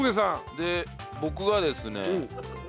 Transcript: で僕がですね。